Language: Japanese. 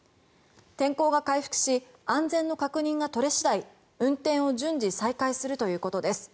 天候が回復し安全の確認が取れ次第運転を順次、再開するということです。